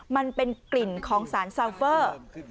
มันเป็นกลิ่นของสารซาวเฟอร์